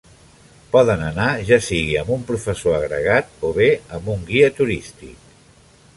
Poden anar ja sigui amb un professor agregat o bé amb un guia turístic.